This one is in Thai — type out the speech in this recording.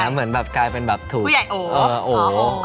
เหมือนกลายเป็นแบบผู้ใหญ่โอบ